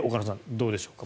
どうでしょうか。